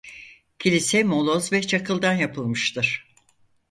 Kilise moloz ve çakıldan yapılmıştır.